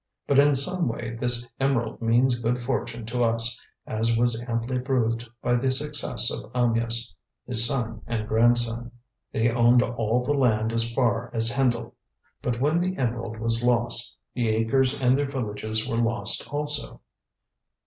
But in some way this emerald means good fortune to us, as was amply proved by the success of Amyas, his son and grandson. They owned all the land as far as Hendle; but when the emerald was lost the acres and their villages were lost also."